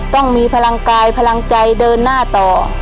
ต้องมีพลังกายพลังใจเดินหน้าต่อ